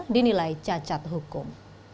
dinilai cacat hukum